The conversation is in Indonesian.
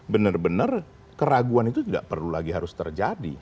benar benar keraguan itu tidak perlu lagi harus terjadi